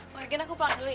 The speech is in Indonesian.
mungkin aku pulang dulu ya